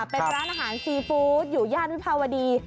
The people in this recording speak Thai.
เป็นร้านอาหารซีฟู้ดอยู่ย่านวิภาวดี